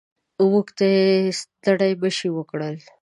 موږ ته یې ستړي مه شي وکړل.